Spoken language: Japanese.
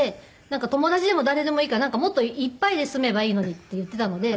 なんか友達でも誰でもいいからもっといっぱいで住めばいいのにって言っていたので。